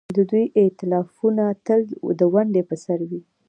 د دوی ائتلافونه تل د ونډې پر سر وي.